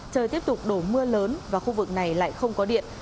trời tiếp tục đổ mưa lớn và khu vực này lại không có điện